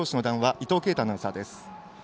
伊藤慶太アナウンサーです。